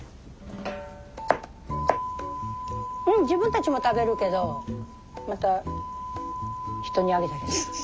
自分たちも食べるけどまた人にあげたりする。